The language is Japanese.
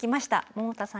百田さん